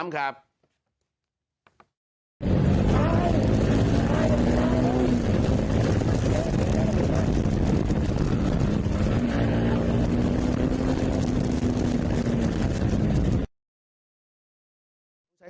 อันตรายมาก